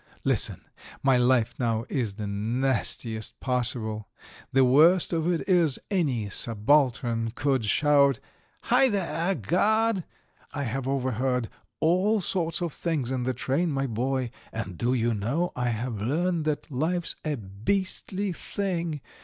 "Listen, my life now is the nastiest possible. The worst of it is any subaltern can shout: 'Hi, there, guard!' I have overheard all sorts of things in the train, my boy, and do you know, I have learned that life's a beastly thing!